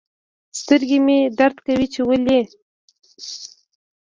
سترګي مي درد کوي چي ولي